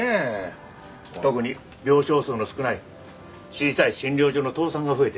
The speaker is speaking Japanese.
特に病床数の少ない小さい診療所の倒産が増えてる。